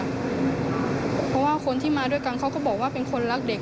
เพราะว่าคนที่มาด้วยกันเขาก็บอกว่าเป็นคนรักเด็ก